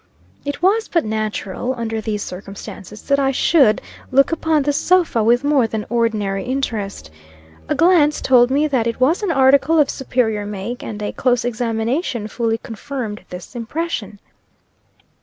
It was but natural, under these circumstances, that I should, look upon this sofa with more than ordinary interest. A glance told me that it was an article of superior make, and a close examination fully confirmed this impression.